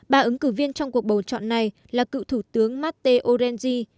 bà ứng cử viên trong cuộc bầu chọn này là cựu thủ tướng matteo renzi